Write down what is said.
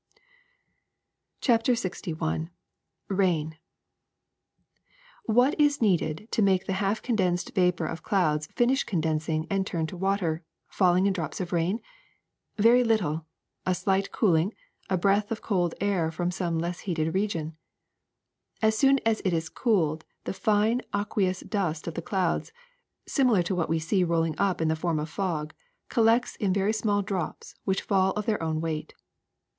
'' CHAPTER LXI RAIN <*T^7HAT is needed to make the half condensed V V vapor of clouds finish condensing and turn to water, falling in drops of rain? Very little : a slight cooling, a breath of cold air from some less heated region. ^^As soon as it is cooled the fine aqueous dust of the clouds, similar to what we see rolling up in the form of fog, collects in very small drops which fall of their own weight.